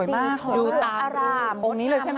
สีทองอร่าม